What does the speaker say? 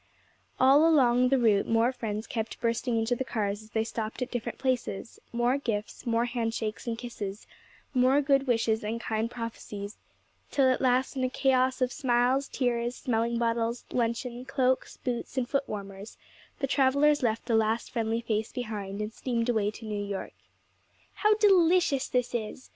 All along the route more friends kept bursting into the cars as they stopped at different places; more gifts, more hand shakes and kisses, more good wishes and kind prophecies, till at last in a chaos of smiles, tears, smelling bottles, luncheon, cloaks, books, and foot warmers, the travellers left the last friendly face behind and steamed away to New York. 'How de licious this is!'